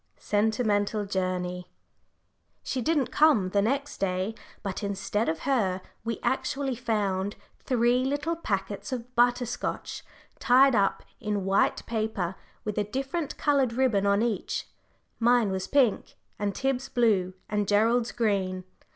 '" Sentimental Journey. She didn't come the next day, but instead of her we actually found three little packets of butter scotch tied up in white paper, with a different coloured ribbon on each: mine was pink, and Tib's blue, and Gerald's green.